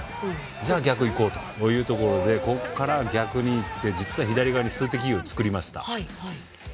じゃあ逆いこうというところでここから逆にいって実は左側に数的優位を作りました。